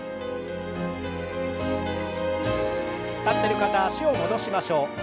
立ってる方は脚を戻しましょう。